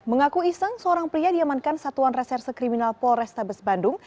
mengaku iseng seorang pria diamankan satuan reserse kriminal polrestabes bandung